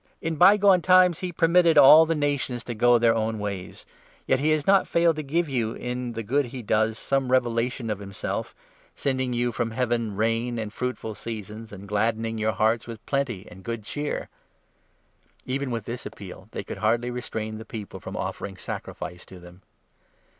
In bygone times he permitted all 16 the nations to go their own ways. Yet he has not failed to 17 give you, in the good he does, some revelation of himself — sending you from Heaven rain and fruitful seasons, and gladdening your hearts with plenty and good cheer." Even with this appeal they could hardly restrain the people 18 from offering sacrifice to them.